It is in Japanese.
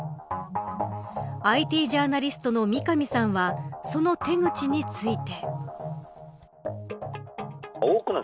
ＩＴジャーナリストの三上さんはその手口について。